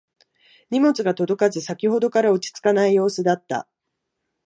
荷物が届かず先ほどから落ち着かない様子だった